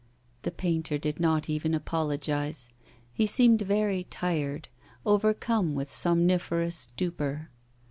The painter did not even apologise. He seemed very tired, overcome with somniferous stupor.